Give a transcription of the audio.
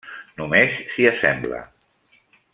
Només s'hi assembla.